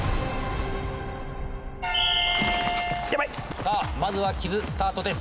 さあまずは木津スタートです。